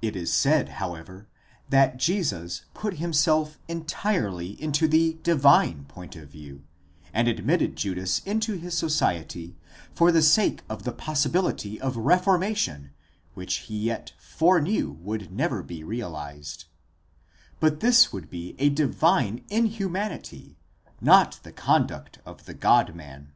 It is said, however, that Jesus put him _self entirely into the Divine point of view, and admitted Judas into his society, for the sake of the possibility of reformation which he yet foreknew would never be realised ; but this would be a Divine inhumanity,—not the conduct of the God man.